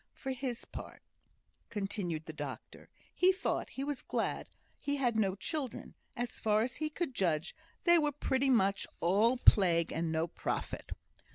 For his part," continued the doctor, "he thought he was glad he had had no children; as far as he could judge, they were pretty much all plague and no profit."